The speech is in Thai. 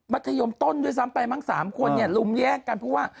ธยมต้นด้วยซ้ำไปมั้ง๓คนเนี่ยลุมแย่งกันเพราะว่า